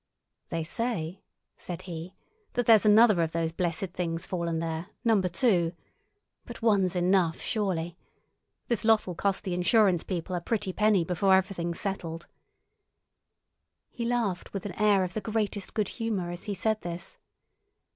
"They say," said he, "that there's another of those blessed things fallen there—number two. But one's enough, surely. This lot'll cost the insurance people a pretty penny before everything's settled." He laughed with an air of the greatest good humour as he said this.